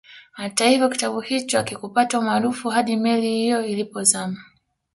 Hata hivyo kitabu hicho hakikupata umaarufu hadi meli hiyo ilipozama